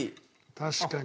確かに。